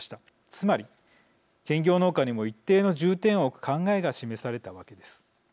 つまり兼業農家にも一定の重点を置く考えが示されたわけです。